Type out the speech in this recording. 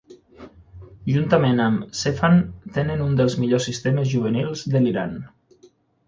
Juntament amb Sepahan tenen un dels millors sistemes juvenils de l'Iran.